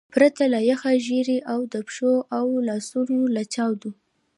پرته له یخه ژیړي او د پښو او لاسو له چاودو.